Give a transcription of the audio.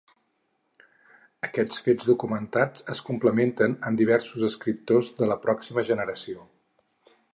Aquests fets documentats es complementen amb diversos escriptors de la pròxima generació.